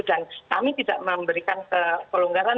dan kami tidak memberikan kepelunggaran